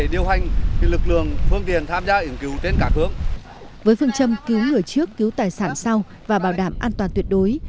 với phương châm cứu người trước cứu tài sản sau và bảo đảm an toàn tuyệt đối